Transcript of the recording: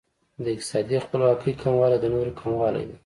د اقتصادي خپلواکۍ کموالی د نورو کموالی دی.